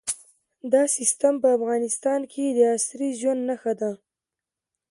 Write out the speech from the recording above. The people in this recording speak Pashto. دا سیستم په افغانستان کې د عصري ژوند نښه ده.